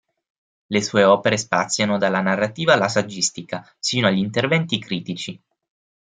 Le sue opere spaziano dalla narrativa alla saggistica, sino agli interventi critici.